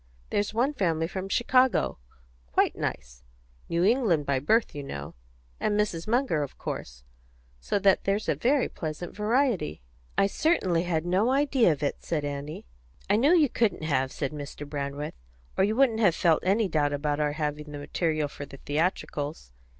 There's one family from Chicago quite nice New England by birth, you know; and Mrs. Munger, of course; so that there's a very pleasant variety." "I certainly had no idea of it," said Annie. "I knew you couldn't have," said Mr. Brandreth, "or you wouldn't have felt any doubt about our having the material for the theatricals.